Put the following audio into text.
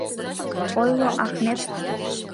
Ойло, Ахмет.